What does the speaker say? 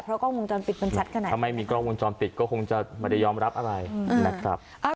เพราะกล้องวงจรปิดมันชัดขนาดนี้ถ้าไม่มีกล้องวงจรปิดก็คงจะไม่ได้ยอมรับอะไรนะครับ